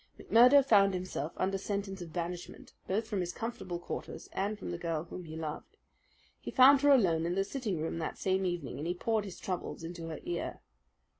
McMurdo found himself under sentence of banishment both from his comfortable quarters and from the girl whom he loved. He found her alone in the sitting room that same evening, and he poured his troubles into her ear.